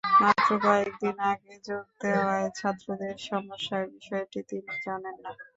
মাত্র কয়েক দিন আগে যোগ দেওয়ায় ছাত্রদের সমস্যার বিষয়টি তিনি জানেন না।